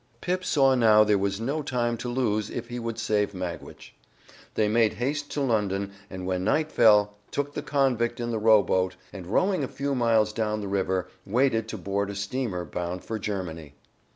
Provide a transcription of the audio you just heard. Pip saw now there was no time to lose if he would save Magwitch. They made haste to London, and when night fell, took the convict in the rowboat and rowing a few miles down the river, waited to board a steamer bound for Germany.